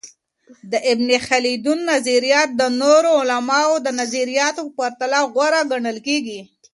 د ابن خلدون نظریات د نورو علماؤ د نظریاتو په پرتله غوره ګڼل کيږي.